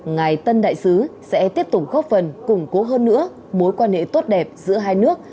ngài tân đại sứ sẽ tiếp tục góp phần củng cố hơn nữa mối quan hệ tốt đẹp giữa hai nước